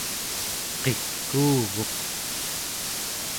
qikuuguq